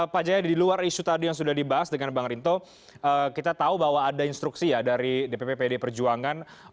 pak jaya di luar isu tadi yang sudah dibahas dengan bang rinto kita tahu bahwa ada instruksi ya dari dpp pd perjuangan